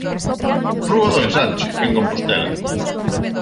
Rúa do Ensanche, en Compostela.